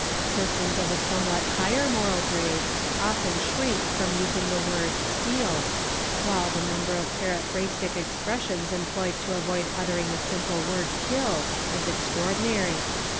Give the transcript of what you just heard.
Persons of a some what higher moral grade, often shrink from using the word 'steal "' 3 while the number of periphrastic expressions employed to avoid uttering the simple word "kill" is extraordinary.